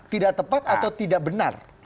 tidak tepat atau tidak benar